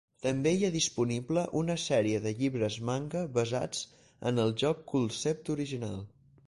També hi ha disponible una sèrie de llibres manga basats en el joc Culdcept original.